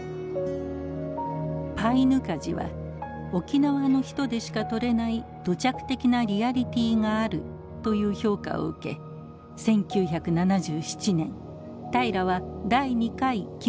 「パイヌカジ」は沖縄の人でしか撮れない「土着的なリアリティーがある」という評価を受け１９７７年平良は第２回木村伊兵衛賞を受賞。